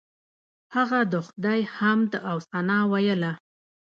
هغه د خدای حمد او ثنا ویله.